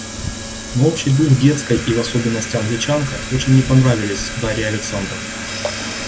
Но общий дух детской и в особенности Англичанка очень не понравились Дарье Александровне.